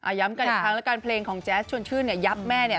อ่ะย้ำกันอีกครั้งละกัน